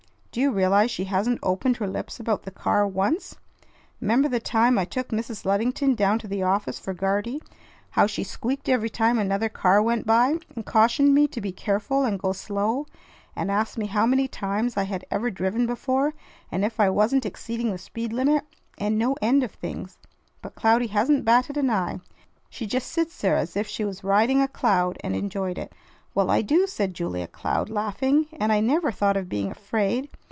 Do you realize she hasn't opened her lips about the car once? 'Member the time I took Mrs. Luddington down to the office for Guardy, how she squeaked every time another car went by, and cautioned me to be careful and go slow, and asked me how many times I had ever driven before, and if I wasn't exceeding the speed limit, and no end of things? But Cloudy hasn't batted an eye. She just sits there as if she was riding a cloud and enjoyed it." "Well, I do," said Julia Cloud, laughing; "and I never thought of being afraid.